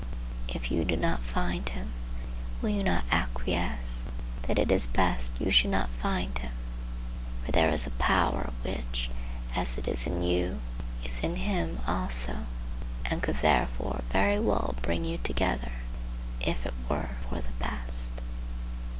If you do not find him, will you not acquiesce that it is best you should not find him? for there is a power, which, as it is in you, is in him also, and could therefore very well bring you together, if it were for the best.